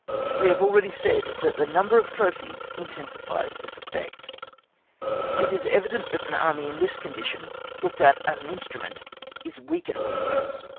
We have already said that the number of trophies intensifies this effect. It is evident that an Army in this condition, looked at as an instrument, is weakened!